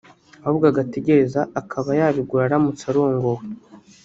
ahubwo agategereza akaba yabigura aramutse arongowe